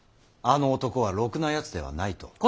あの男はろくなやつではないと。